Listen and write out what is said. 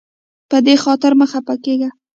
په دې خاطر مه خفه کیږه.